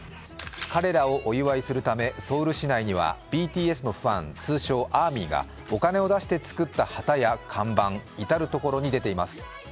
彼らをお祝いするためソウル市内にはＢＴＳのファン、通称・アーミーがお金を出して作った旗や看板、至る所に出ています。